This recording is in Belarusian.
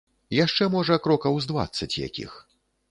Яшчэ, можа, крокаў з дваццаць якіх.